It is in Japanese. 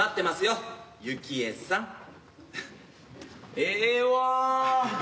ええわ。